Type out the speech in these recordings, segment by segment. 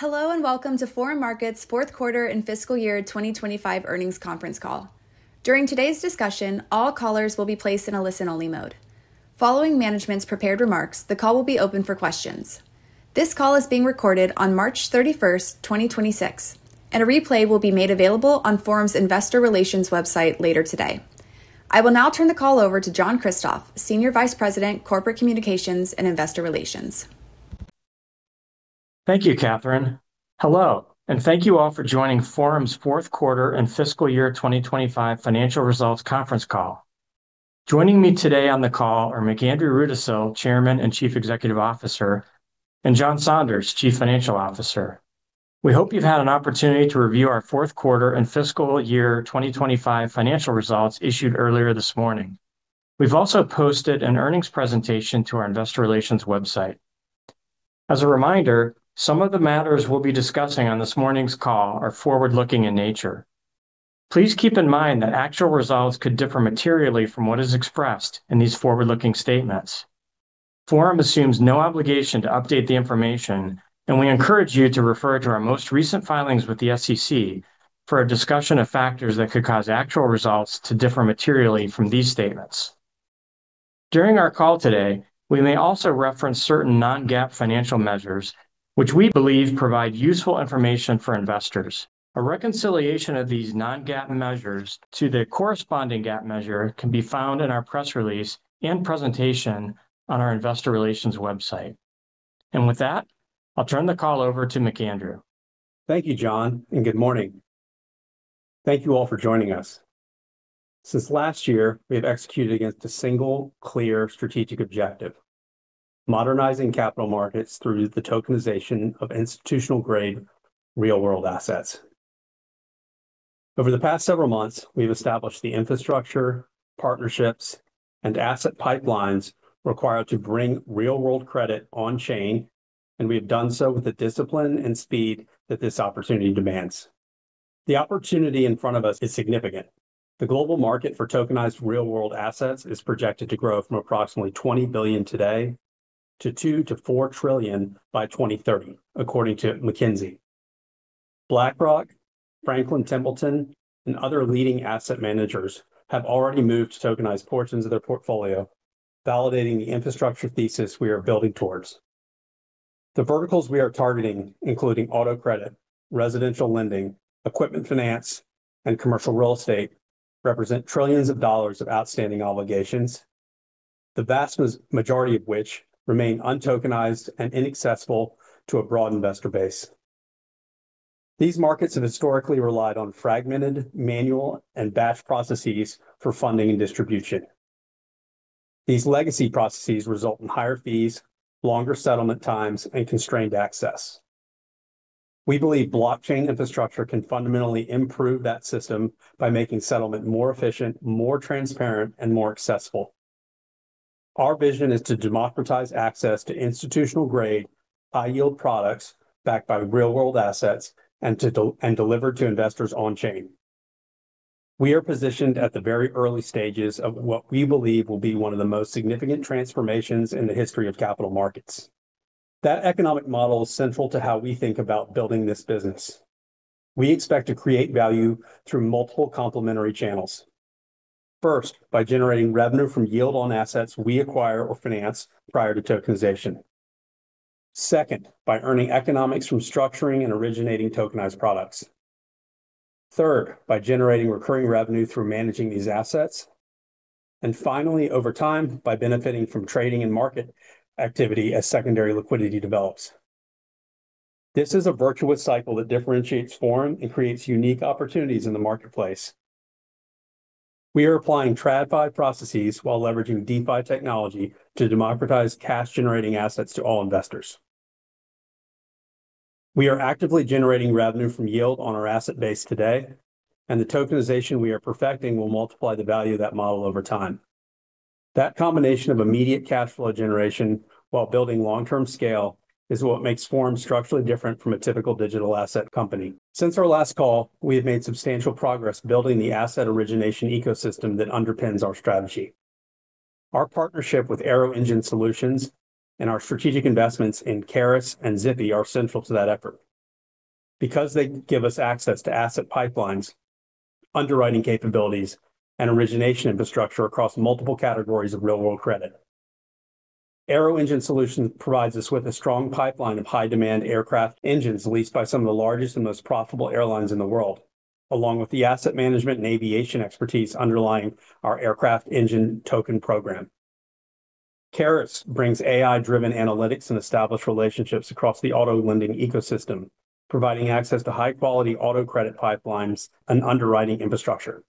Hello and welcome to Forum Markets' fourth quarter and fiscal year 2025 earnings conference call. During today's discussion, all callers will be placed in a listen-only mode. Following management's prepared remarks, the call will be open for questions. This call is being recorded on March 31, 2026, and a replay will be made available on Forum's investor relations website later today. I will now turn the call over to John Kristoff, Senior Vice President, Corporate Communications and Investor Relations. Thank you, Catherine. Hello, and thank you all for joining Forum's fourth quarter and fiscal year 2025 financial results conference call. Joining me today on the call are McAndrew Rudisill, Chairman and Chief Executive Officer, and John Saunders, Chief Financial Officer. We hope you've had an opportunity to review our fourth quarter and fiscal year 2025 financial results issued earlier this morning. We've also posted an earnings presentation to our investor relations website. As a reminder, some of the matters we'll be discussing on this morning's call are forward-looking in nature. Please keep in mind that actual results could differ materially from what is expressed in these forward-looking statements. Forum assumes no obligation to update the information, and we encourage you to refer to our most recent filings with the SEC for a discussion of factors that could cause actual results to differ materially from these statements. During our call today, we may also reference certain non-GAAP financial measures which we believe provide useful information for investors. A reconciliation of these non-GAAP measures to the corresponding GAAP measure can be found in our press release and presentation on our investor relations website. With that, I'll turn the call over to McAndrew. Thank you, John, and good morning. Thank you all for joining us. Since last year, we have executed against a single clear strategic objective, modernizing capital markets through the tokenization of institutional-grade real-world assets. Over the past several months, we've established the infrastructure, partnerships, and asset pipelines required to bring real-world credit on chain, and we have done so with the discipline and speed that this opportunity demands. The opportunity in front of us is significant. The global market for tokenized real-world assets is projected to grow from approximately $20 billion today to $2-$4 trillion by 2030, according to McKinsey. BlackRock, Franklin Templeton, and other leading asset managers have already moved to tokenize portions of their portfolio, validating the infrastructure thesis we are building towards. The verticals we are targeting, including auto credit, residential lending, equipment finance, and commercial real estate, represent trillions of dollars of outstanding obligations. The vast majority of which remain untokenized and inaccessible to a broad investor base. These markets have historically relied on fragmented, manual, and batch processes for funding and distribution. These legacy processes result in higher fees, longer settlement times, and constrained access. We believe blockchain infrastructure can fundamentally improve that system by making settlement more efficient, more transparent, and more accessible. Our vision is to democratize access to institutional-grade, high-yield products backed by real-world assets and delivered to investors on chain. We are positioned at the very early stages of what we believe will be one of the most significant transformations in the history of capital markets. That economic model is central to how we think about building this business. We expect to create value through multiple complementary channels. First, by generating revenue from yield on assets we acquire or finance prior to tokenization. Second, by earning economics from structuring and originating tokenized products. Third, by generating recurring revenue through managing these assets. Finally, over time, by benefiting from trading and market activity as secondary liquidity develops. This is a virtuous cycle that differentiates Forum and creates unique opportunities in the marketplace. We are applying TradFi processes while leveraging DeFi technology to democratize cash-generating assets to all investors. We are actively generating revenue from yield on our asset base today, and the tokenization we are perfecting will multiply the value of that model over time. That combination of immediate cash flow generation while building long-term scale is what makes Forum structurally different from a typical digital asset company. Since our last call, we have made substantial progress building the asset origination ecosystem that underpins our strategy. Our partnership with Aero Engine Solutions and our strategic investments in Karus and Zippi are central to that effort because they give us access to asset pipelines, underwriting capabilities, and origination infrastructure across multiple categories of real-world credit. Aero Engine Solutions provides us with a strong pipeline of high-demand aircraft engines leased by some of the largest and most profitable airlines in the world, along with the asset management and aviation expertise underlying our aircraft engine token program. Karus brings AI-driven analytics and established relationships across the auto lending ecosystem, providing access to high-quality auto credit pipelines and underwriting infrastructure.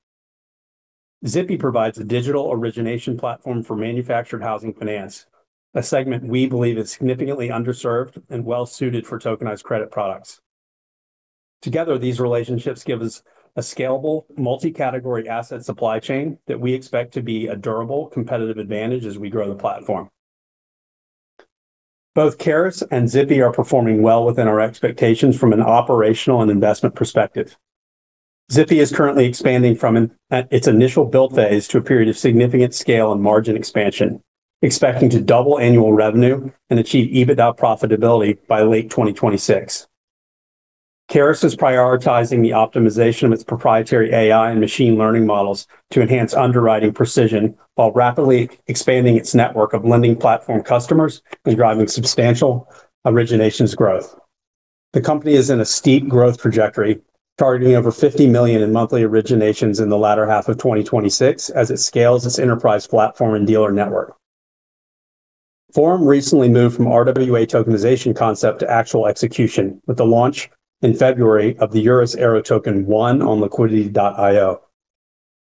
Zippi provides a digital origination platform for manufactured housing finance, a segment we believe is significantly underserved and well-suited for tokenized credit products. Together, these relationships give us a scalable multi-category asset supply chain that we expect to be a durable competitive advantage as we grow the platform. Both Karus and Zippi are performing well within our expectations from an operational and investment perspective. Zippi is currently expanding from its initial build phase to a period of significant scale and margin expansion, expecting to double annual revenue and achieve EBITDA profitability by late 2026. Karus is prioritizing the optimization of its proprietary AI and machine learning models to enhance underwriting precision while rapidly expanding its network of lending platform customers and driving substantial originations growth. The company is in a steep growth trajectory, targeting over $50 million in monthly originations in the latter half of 2026 as it scales its enterprise platform and dealer network. Forum recently moved from RWA tokenization concept to actual execution with the launch in February of the Eurus Aero Token One on liquidity.io.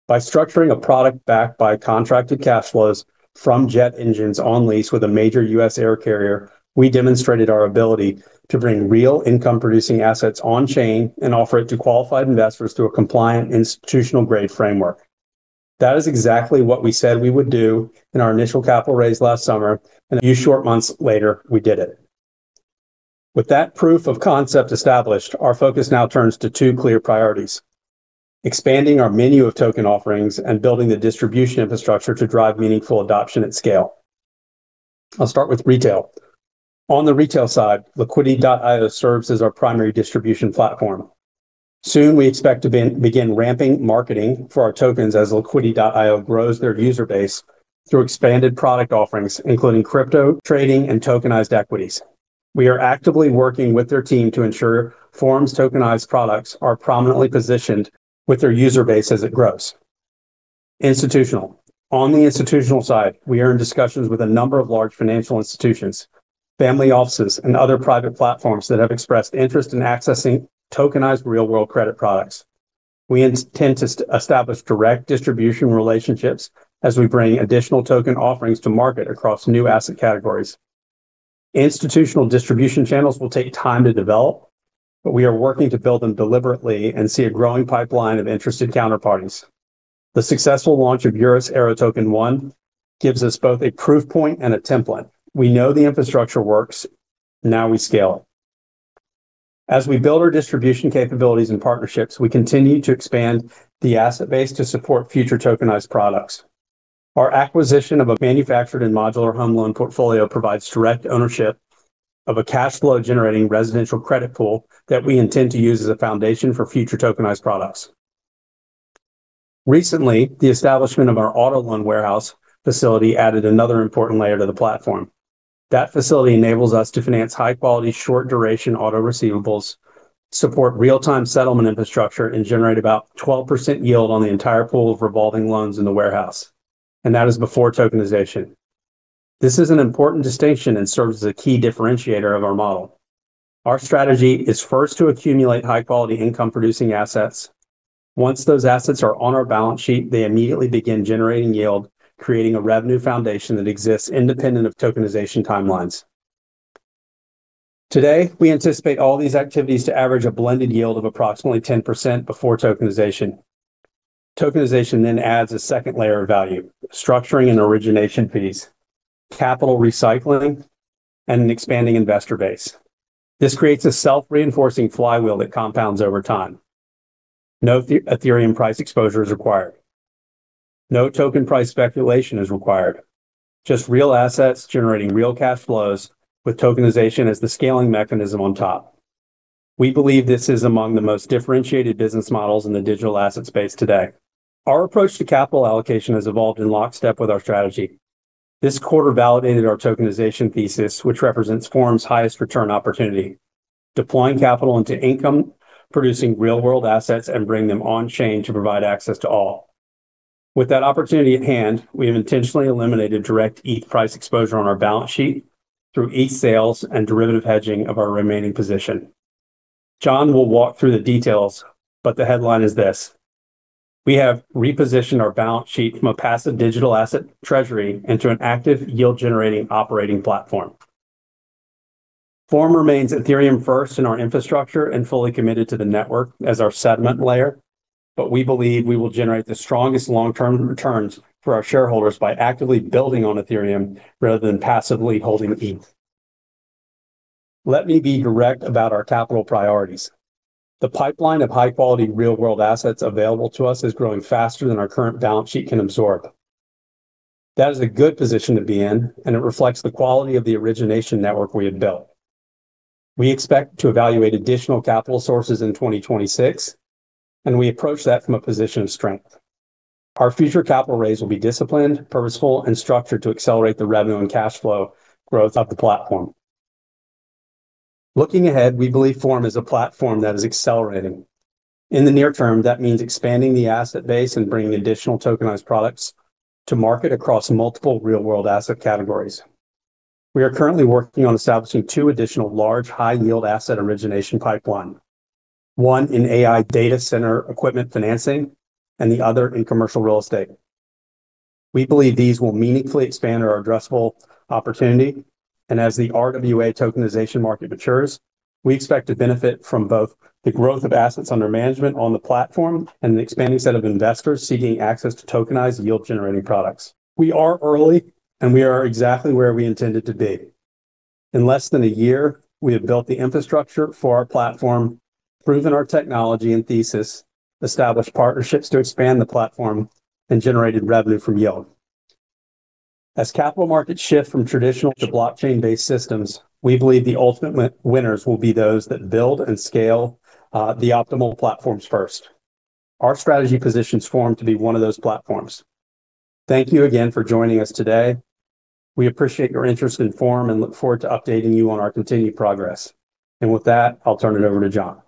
By structuring a product backed by contracted cash flows from jet engines on lease with a major U.S. air carrier, we demonstrated our ability to bring real income-producing assets on chain and offer it to qualified investors through a compliant institutional-grade framework. That is exactly what we said we would do in our initial capital raise last summer, and a few short months later, we did it. With that proof of concept established, our focus now turns to two clear priorities, expanding our menu of token offerings and building the distribution infrastructure to drive meaningful adoption at scale. I'll start with retail. On the retail side, Liquidity.io serves as our primary distribution platform. Soon we expect to begin ramping marketing for our tokens as Liquidity.io grows their user base through expanded product offerings, including crypto trading and tokenized equities. We are actively working with their team to ensure Forum's tokenized products are prominently positioned with their user base as it grows. Institutional. On the institutional side, we are in discussions with a number of large financial institutions, family offices, and other private platforms that have expressed interest in accessing tokenized real-world credit products. We intend to establish direct distribution relationships as we bring additional token offerings to market across new asset categories. Institutional distribution channels will take time to develop, but we are working to build them deliberately and see a growing pipeline of interested counterparties. The successful launch of Eurus Aero Token one gives us both a proof point and a template. We know the infrastructure works, now we scale it. As we build our distribution capabilities and partnerships, we continue to expand the asset base to support future tokenized products. Our acquisition of a manufactured and modular home loan portfolio provides direct ownership of a cash flow generating residential credit pool that we intend to use as a foundation for future tokenized products. Recently, the establishment of our auto loan warehouse facility added another important layer to the platform. That facility enables us to finance high-quality, short-duration auto receivables, support real-time settlement infrastructure, and generate about 12% yield on the entire pool of revolving loans in the warehouse. That is before tokenization. This is an important distinction and serves as a key differentiator of our model. Our strategy is first to accumulate high-quality income producing assets. Once those assets are on our balance sheet, they immediately begin generating yield, creating a revenue foundation that exists independent of tokenization timelines. Today, we anticipate all these activities to average a blended yield of approximately 10% before tokenization. Tokenization adds a second layer of value, structuring and origination fees, capital recycling, and an expanding investor base. This creates a self-reinforcing flywheel that compounds over time. No Ethereum price exposure is required. No token price speculation is required. Just real assets generating real cash flows with tokenization as the scaling mechanism on top. We believe this is among the most differentiated business models in the digital asset space today. Our approach to capital allocation has evolved in lockstep with our strategy. This quarter validated our tokenization thesis, which represents Forum's highest return opportunity. Deploying capital into income-producing real-world assets and bring them on chain to provide access to all. With that opportunity at hand, we have intentionally eliminated direct ETH price exposure on our balance sheet through ETH sales and derivative hedging of our remaining position. John will walk through the details, but the headline is this: We have repositioned our balance sheet from a passive digital asset treasury into an active yield-generating operating platform. Forum remains Ethereum first in our infrastructure and fully committed to the network as our settlement layer, but we believe we will generate the strongest long-term returns for our shareholders by actively building on Ethereum rather than passively holding ETH. Let me be direct about our capital priorities. The pipeline of high-quality real-world assets available to us is growing faster than our current balance sheet can absorb. That is a good position to be in, and it reflects the quality of the origination network we have built. We expect to evaluate additional capital sources in 2026, and we approach that from a position of strength. Our future capital raise will be disciplined, purposeful, and structured to accelerate the revenue and cash flow growth of the platform. Looking ahead, we believe Forum is a platform that is accelerating. In the near term, that means expanding the asset base and bringing additional tokenized products to market across multiple real-world asset categories. We are currently working on establishing two additional large high-yield asset origination pipelines, one in AI data center equipment financing and the other in commercial real estate. We believe these will meaningfully expand our addressable opportunity. As the RWA tokenization market matures, we expect to benefit from both the growth of assets under management on the platform and an expanding set of investors seeking access to tokenized yield-generating products. We are early, and we are exactly where we intended to be. In less than a year, we have built the infrastructure for our platform, proven our technology and thesis, established partnerships to expand the platform, and generated revenue from yield. As capital markets shift from traditional to blockchain-based systems, we believe the ultimate win-winners will be those that build and scale the optimal platforms first. Our strategy positions Forum to be one of those platforms. Thank you again for joining us today. We appreciate your interest in Forum and look forward to updating you on our continued progress. With that, I'll turn it over to John.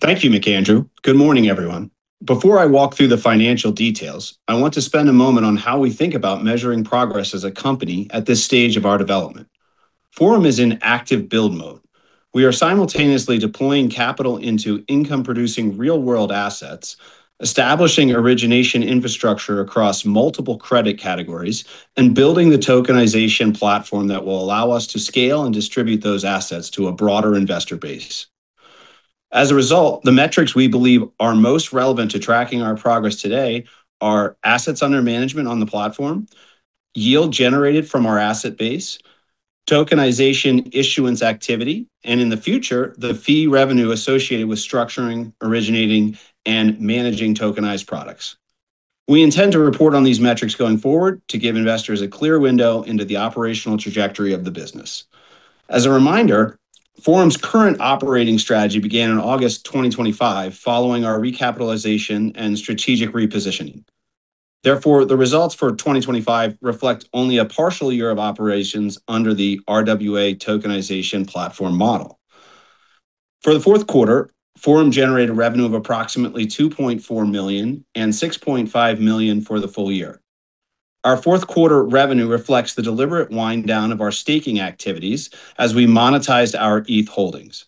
Thank you, McAndrew. Good morning, everyone. Before I walk through the financial details, I want to spend a moment on how we think about measuring progress as a company at this stage of our development. Forum is in active build mode. We are simultaneously deploying capital into income-producing real-world assets, establishing origination infrastructure across multiple credit categories, and building the tokenization platform that will allow us to scale and distribute those assets to a broader investor base. As a result, the metrics we believe are most relevant to tracking our progress today are assets under management on the platform, yield generated from our asset base, tokenization issuance activity, and in the future, the fee revenue associated with structuring, originating, and managing tokenized products. We intend to report on these metrics going forward to give investors a clear window into the operational trajectory of the business. As a reminder, Forum's current operating strategy began in August 2025 following our recapitalization and strategic repositioning. Therefore, the results for 2025 reflect only a partial year of operations under the RWA tokenization platform model. For the fourth quarter, Forum generated revenue of approximately $2.4 million and $6.5 million for the full year. Our fourth quarter revenue reflects the deliberate wind down of our staking activities as we monetized our ETH holdings.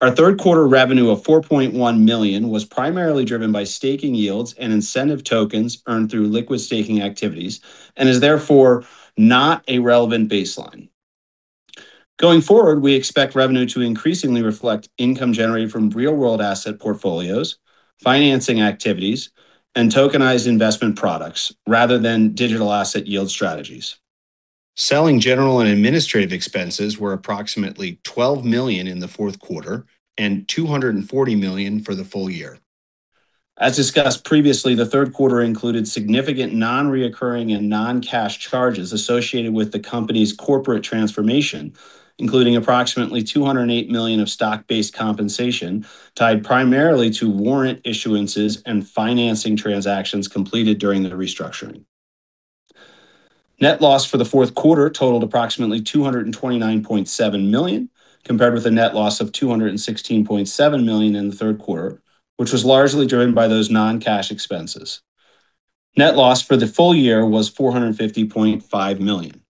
Our third quarter revenue of $4.1 million was primarily driven by staking yields and incentive tokens earned through liquid staking activities and is therefore not a relevant baseline. Going forward, we expect revenue to increasingly reflect income generated from real-world asset portfolios, financing activities, and tokenized investment products rather than digital asset yield strategies. Selling general and administrative expenses were approximately $12 million in the fourth quarter and $240 million for the full year. As discussed previously, the third quarter included significant non-recurring and non-cash charges associated with the company's corporate transformation, including approximately $208 million of stock-based compensation tied primarily to warrant issuances and financing transactions completed during the restructuring. Net loss for the fourth quarter totaled approximately $229.7 million, compared with a net loss of $216.7 million in the third quarter, which was largely driven by those non-cash expenses. Net loss for the full year was $450.5 million.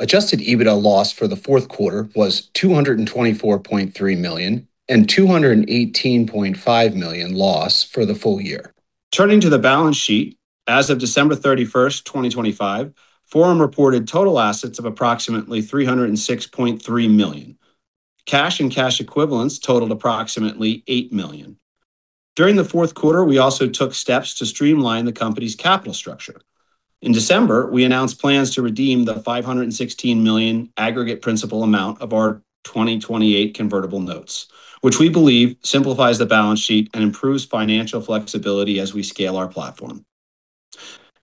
Adjusted EBITDA loss for the fourth quarter was $224.3 million and $218.5 million loss for the full year. Turning to the balance sheet, as of December 31, 2025, Forum reported total assets of approximately $306.3 million. Cash and cash equivalents totaled approximately $8 million. During the fourth quarter, we also took steps to streamline the company's capital structure. In December, we announced plans to redeem the $516 million aggregate principal amount of our 2028 convertible notes, which we believe simplifies the balance sheet and improves financial flexibility as we scale our platform.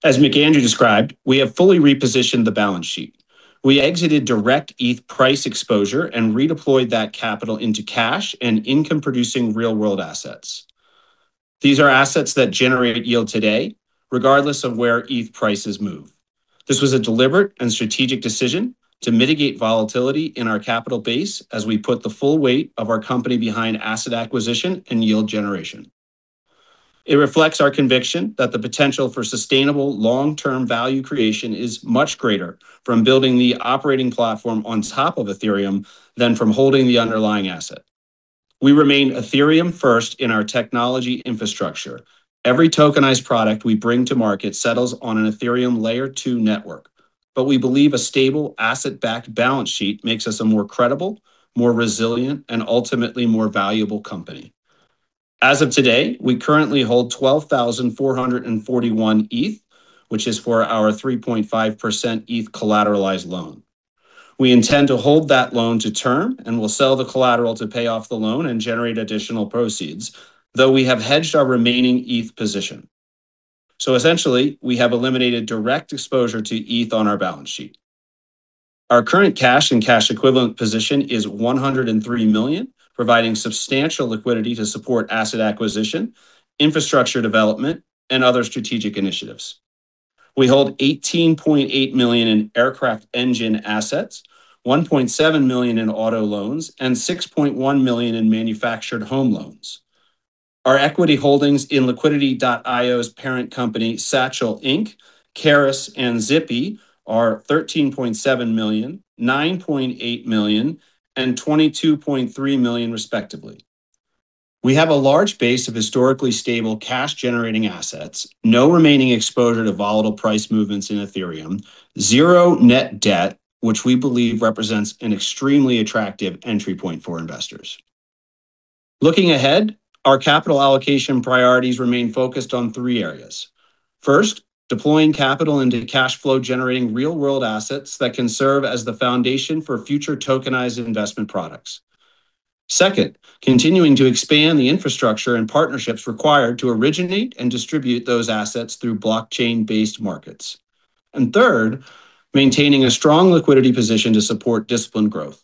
As McAndrew Rudisill described, we have fully repositioned the balance sheet. We exited direct ETH price exposure and redeployed that capital into cash and income-producing real-world assets. These are assets that generate yield today, regardless of where ETH prices move. This was a deliberate and strategic decision to mitigate volatility in our capital base as we put the full weight of our company behind asset acquisition and yield generation. It reflects our conviction that the potential for sustainable long-term value creation is much greater from building the operating platform on top of Ethereum than from holding the underlying asset. We remain Ethereum first in our technology infrastructure. Every tokenized product we bring to market settles on an Ethereum Layer 2 network. We believe a stable asset-backed balance sheet makes us a more credible, more resilient, and ultimately more valuable company. As of today, we currently hold 12,441 ETH, which is for our 3.5% ETH collateralized loan. We intend to hold that loan to term and will sell the collateral to pay off the loan and generate additional proceeds, though we have hedged our remaining ETH position. Essentially, we have eliminated direct exposure to ETH on our balance sheet. Our current cash and cash equivalent position is $103 million, providing substantial liquidity to support asset acquisition, infrastructure development, and other strategic initiatives. We hold $18.8 million in aircraft engine assets, $1.7 million in auto loans, and $6.1 million in manufactured home loans. Our equity holdings in Liquidity.io's parent company, Satschel, Inc., Karus, and Zippi are $13.7 million, $9.8 million, and $22.3 million respectively. We have a large base of historically stable cash-generating assets, no remaining exposure to volatile price movements in Ethereum, zero net debt, which we believe represents an extremely attractive entry point for investors. Looking ahead, our capital allocation priorities remain focused on three areas. First, deploying capital into cash flow generating real-world assets that can serve as the foundation for future tokenized investment products. Second, continuing to expand the infrastructure and partnerships required to originate and distribute those assets through blockchain-based markets. And third, maintaining a strong liquidity position to support disciplined growth.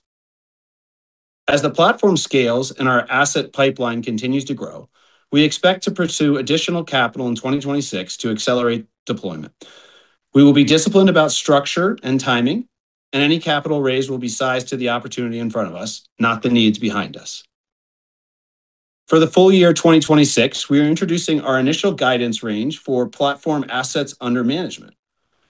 As the platform scales and our asset pipeline continues to grow, we expect to pursue additional capital in 2026 to accelerate deployment. We will be disciplined about structure and timing, and any capital raised will be sized to the opportunity in front of us, not the needs behind us. For the full year 2026, we are introducing our initial guidance range for platform assets under management.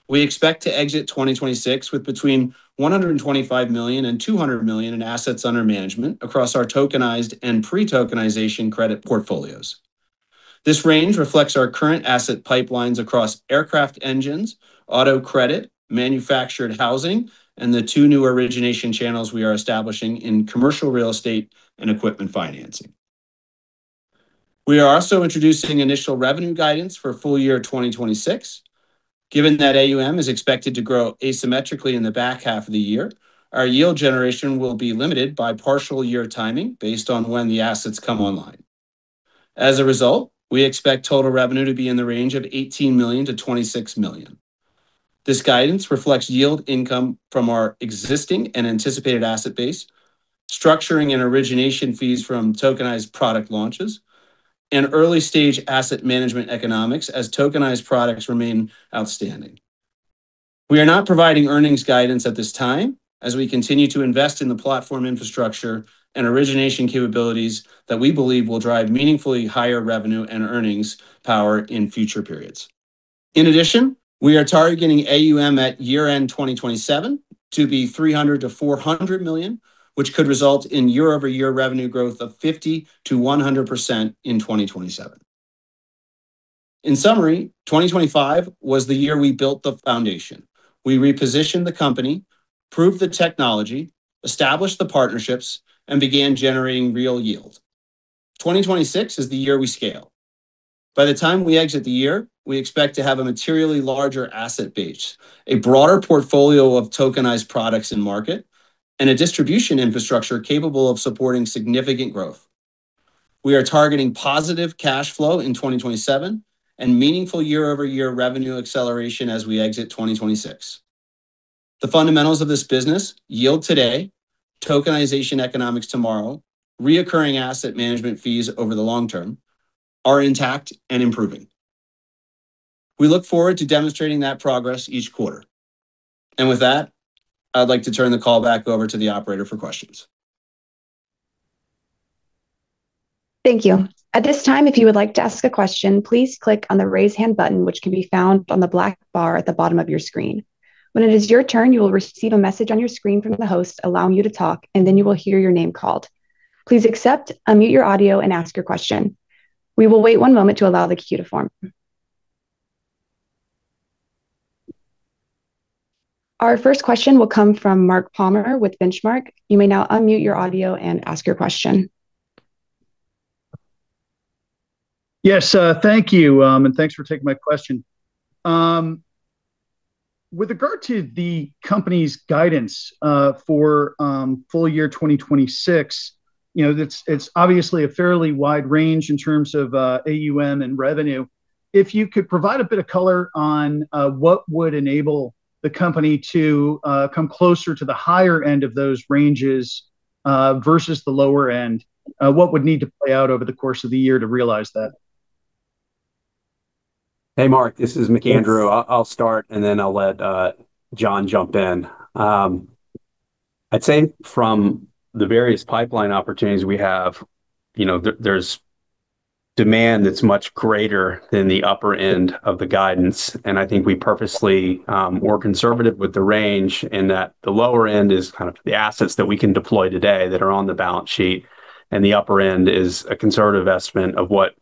We expect to exit 2026 with between $125 million and $200 million in assets under management across our tokenized and pre-tokenization credit portfolios. This range reflects our current asset pipelines across aircraft engines, auto credit, manufactured housing, and the two new origination channels we are establishing in commercial real estate and equipment financing. We are also introducing initial revenue guidance for full year 2026. Given that AUM is expected to grow asymmetrically in the back half of the year, our yield generation will be limited by partial year timing based on when the assets come online. As a result, we expect total revenue to be in the range of $18 million to $26 million. This guidance reflects yield income from our existing and anticipated asset base, structuring and origination fees from tokenized product launches, and early-stage asset management economics as tokenized products remain outstanding. We are not providing earnings guidance at this time as we continue to invest in the platform infrastructure and origination capabilities that we believe will drive meaningfully higher revenue and earnings power in future periods. In addition, we are targeting AUM at year-end 2027 to be $300 million-$400 million, which could result in year-over-year revenue growth of 50%-100% in 2027. In summary, 2025 was the year we built the foundation. We repositioned the company, proved the technology, established the partnerships, and began generating real yield. 2026 is the year we scale. By the time we exit the year, we expect to have a materially larger asset base, a broader portfolio of tokenized products in market, and a distribution infrastructure capable of supporting significant growth. We are targeting positive cash flow in 2027 and meaningful year-over-year revenue acceleration as we exit 2026. The fundamentals of this business yield today, tokenization economics tomorrow, recurring asset management fees over the long term are intact and improving. We look forward to demonstrating that progress each quarter. With that, I'd like to turn the call back over to the operator for questions. Thank you. At this time, if you would like to ask a question, please click on the Raise Hand button, which can be found on the black bar at the bottom of your screen. When it is your turn, you will receive a message on your screen from the host allowing you to talk, and then you will hear your name called. Please accept, unmute your audio, and ask your question. We will wait one moment to allow the queue to form. Our first question will come from Mark Palmer with Benchmark. You may now unmute your audio and ask your question. Yes. Thank you, and thanks for taking my question. With regard to the company's guidance for full year 2026, you know, it's obviously a fairly wide range in terms of AUM and revenue. If you could provide a bit of color on what would enable the company to come closer to the higher end of those ranges versus the lower end. What would need to play out over the course of the year to realize that? Hey, Mark, this is McAndrew. I'll start, and then I'll let John jump in. I'd say from the various pipeline opportunities we have, you know, there's demand that's much greater than the upper end of the guidance. I think we purposely were conservative with the range in that the lower end is kind of the assets that we can deploy today that are on the balance sheet. The upper end is a conservative estimate of what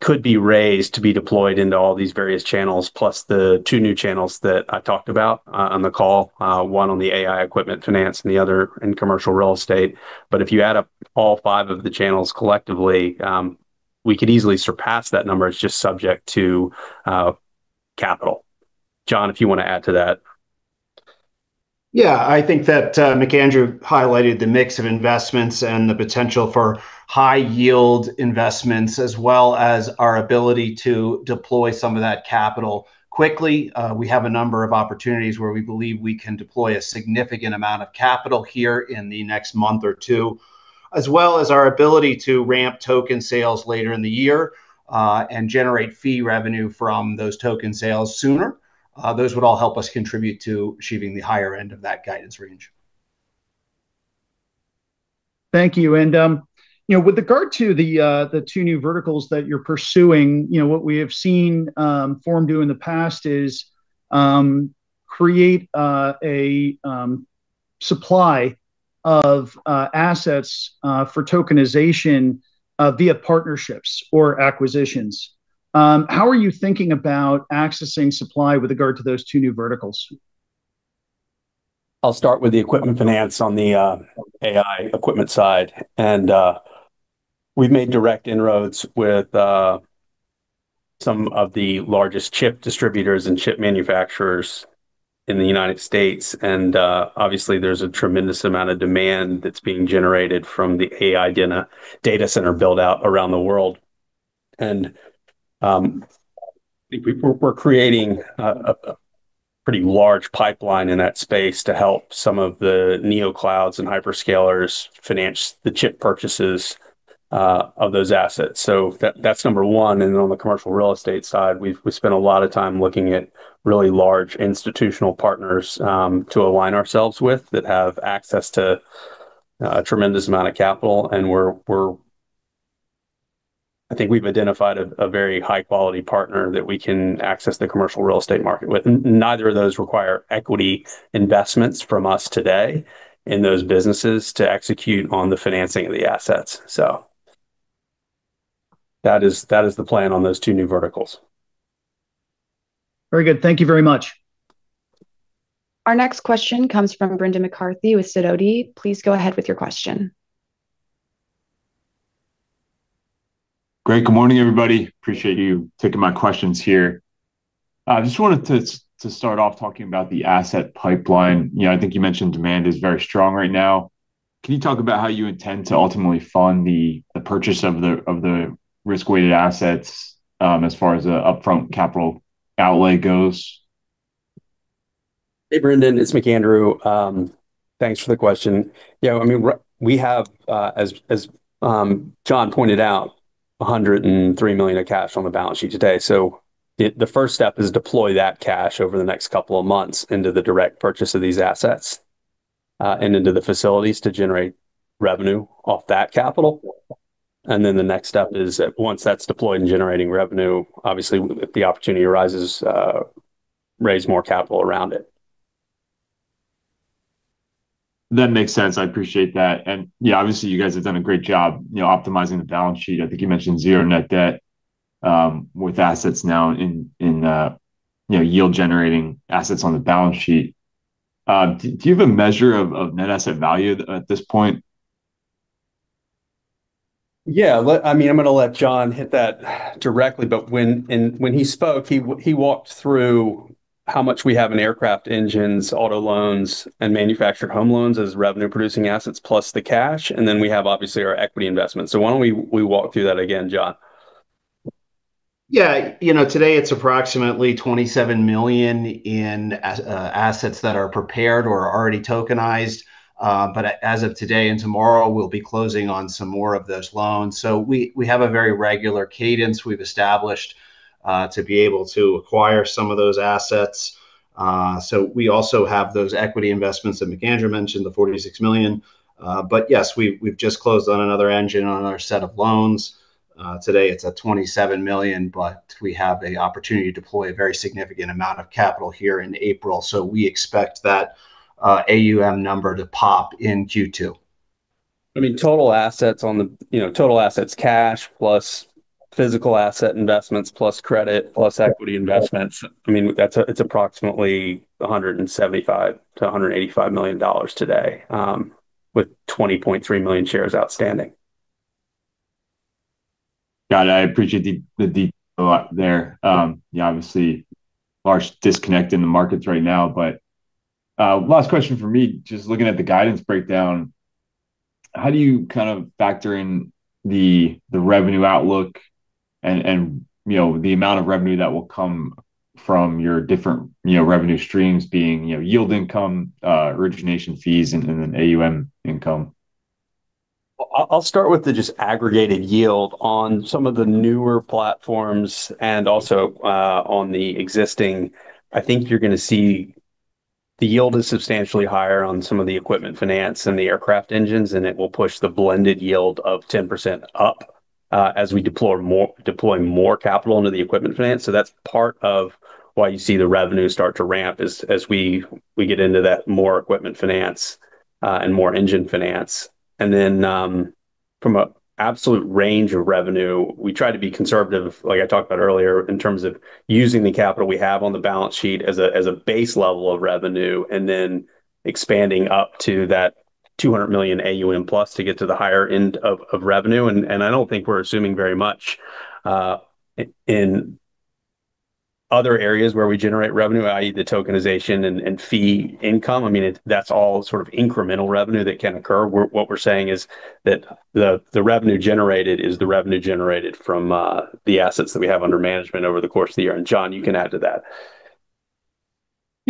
could be raised to be deployed into all these various channels, plus the two new channels that I talked about on the call. One on the AI equipment finance and the other in commercial real estate. If you add up all five of the channels collectively, we could easily surpass that number. It's just subject to capital. John, if you want to add to that. Yeah. I think that, McAndrew highlighted the mix of investments and the potential for high-yield investments, as well as our ability to deploy some of that capital quickly. We have a number of opportunities where we believe we can deploy a significant amount of capital here in the next month or two, as well as our ability to ramp token sales later in the year, and generate fee revenue from those token sales sooner. Those would all help us contribute to achieving the higher end of that guidance range. Thank you. You know, with regard to the two new verticals that you're pursuing, you know, what we have seen Forum do in the past is create a supply of assets for tokenization via partnerships or acquisitions. How are you thinking about accessing supply with regard to those two new verticals? I'll start with the equipment finance on the AI equipment side. We've made direct inroads with some of the largest chip distributors and chip manufacturers in the United States. Obviously there's a tremendous amount of demand that's being generated from the AI data center build out around the world. We're creating a pretty large pipeline in that space to help some of the neoclouds and hyperscalers finance the chip purchases of those assets. That's number one. On the commercial real estate side, we've spent a lot of time looking at really large institutional partners to align ourselves with that have access to a tremendous amount of capital. I think we've identified a very high quality partner that we can access the commercial real estate market with. Neither of those require equity investments from us today in those businesses to execute on the financing of the assets. That is the plan on those two new verticals. Very good. Thank you very much. Our next question comes from Brendan McCarthy with Sidoti. Please go ahead with your question. Great. Good morning, everybody. Appreciate you taking my questions here. I just wanted to start off talking about the asset pipeline. You know, I think you mentioned demand is very strong right now. Can you talk about how you intend to ultimately fund the purchase of the risk-weighted assets, as far as the upfront capital outlay goes? Hey, Brendan, it's McAndrew. Thanks for the question. Yeah, I mean, we have, as John pointed out, $103 million of cash on the balance sheet today. The first step is deploy that cash over the next couple of months into the direct purchase of these assets, and into the facilities to generate revenue off that capital. The next step is once that's deployed and generating revenue, obviously if the opportunity arises, raise more capital around it. That makes sense. I appreciate that. Yeah, obviously you guys have done a great job, you know, optimizing the balance sheet. I think you mentioned zero net debt, with assets now in you know, yield generating assets on the balance sheet. Do you have a measure of net asset value at this point? Yeah. I mean, I'm gonna let John hit that directly, but when he spoke, he walked through how much we have in aircraft engines, auto loans, and manufactured home loans as revenue producing assets plus the cash, and then we have obviously our equity investment. Why don't we walk through that again, John? Yeah. You know, today it's approximately $27 million in assets that are prepared or are already tokenized. As of today and tomorrow we'll be closing on some more of those loans. We have a very regular cadence we've established to be able to acquire some of those assets. We also have those equity investments that McAndrew mentioned, the $46 million. Yes, we've just closed on another engine on our set of loans. Today it's at $27 million, but we have the opportunity to deploy a very significant amount of capital here in April. We expect that AUM number to pop in Q2. I mean, total assets, you know, cash plus physical asset investments plus credit plus equity investments, I mean, it's approximately $175 million-$185 million today, with 20.3 million shares outstanding. Got it. I appreciate the detail there. Yeah, obviously large disconnect in the markets right now. Last question from me, just looking at the guidance breakdown, how do you kind of factor in the revenue outlook and, you know, the amount of revenue that will come from your different, you know, revenue streams being, you know, yield income, origination fees, and then AUM income? I'll start with the just aggregated yield on some of the newer platforms and also on the existing. I think you're gonna see the yield is substantially higher on some of the equipment finance and the aircraft engines, and it will push the blended yield of 10% up, as we deploy more capital into the equipment finance. That's part of why you see the revenue start to ramp as we get into that more equipment finance and more engine finance. From an absolute range of revenue, we try to be conservative, like I talked about earlier, in terms of using the capital we have on the balance sheet as a base level of revenue, and then expanding up to that 200 million AUM plus to get to the higher end of revenue. I don't think we're assuming very much in other areas where we generate revenue, i.e. the tokenization and fee income. I mean, that's all sort of incremental revenue that can occur. What we're saying is that the revenue generated is the revenue generated from the assets that we have under management over the course of the year. John, you can add to that.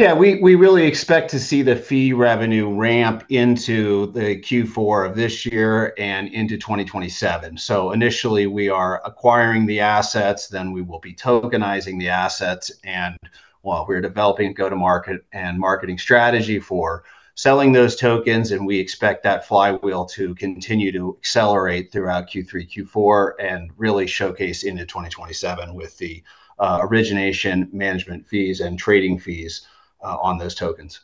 Yeah. We really expect to see the fee revenue ramp into the Q4 of this year and into 2027. Initially we are acquiring the assets, then we will be tokenizing the assets and while we're developing go-to-market and marketing strategy for selling those tokens, and we expect that flywheel to continue to accelerate throughout Q3, Q4, and really showcase into 2027 with the origination management fees and trading fees on those tokens.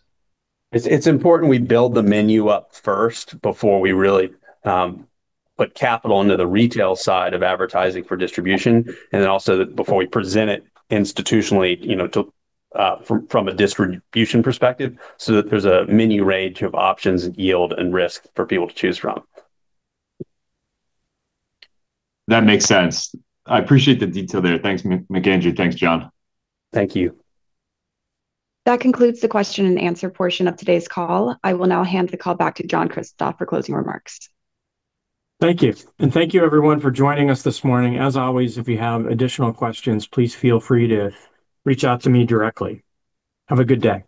It's important we build the menu up first before we really put capital into the retail side of advertising for distribution. Also before we present it institutionally, you know, to, from a distribution perspective, so that there's a minimum range of options and yield and risk for people to choose from. That makes sense. I appreciate the detail there. Thanks, McAndrew. Thanks, John. Thank you. That concludes the question and answer portion of today's call. I will now hand the call back to John Kristoff for closing remarks. Thank you. Thank you everyone for joining us this morning. As always, if you have additional questions, please feel free to reach out to me directly. Have a good day.